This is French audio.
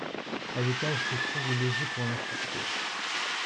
A l'étage se trouve le logis pour l'instituteur.